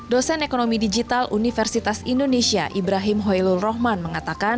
dosen ekonomi digital universitas indonesia ibrahim hoylul rohman mengatakan